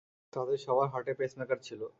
তাদের সবার হার্টে পেসমেকার ছিল।